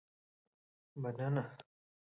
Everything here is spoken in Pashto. مننه.